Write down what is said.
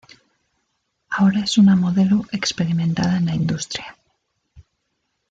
Ahora es una modelo experimentada en la industria.